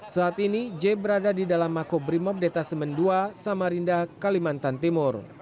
saat ini jay berada di dalam mako brimob detasemen dua samarinda kalimantan timur